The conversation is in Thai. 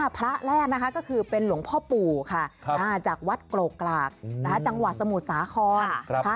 พระแรกนะคะก็คือเป็นหลวงพ่อปู่ค่ะจากวัดโกกรากจังหวัดสมุทรสาคร